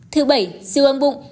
thứ bảy siêu âm bụng